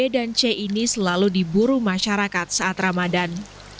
dan c ini selalu diburu masyarakat saat ramadan